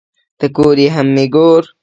ته کور یې هم مې گور